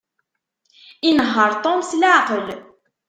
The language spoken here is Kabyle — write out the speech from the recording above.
Inehheṛ Tom s leɛqel.